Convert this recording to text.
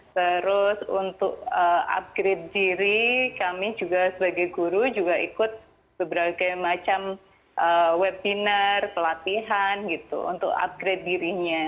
terus untuk upgrade diri kami juga sebagai guru juga ikut berbagai macam webinar pelatihan gitu untuk upgrade dirinya